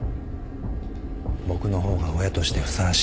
僕の方が親としてふさわしいって。